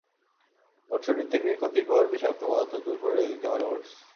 ওটসশরীর থেকে ক্ষতিকর বিষাক্ত পদার্থ দূর করে দিতে পার ওটস।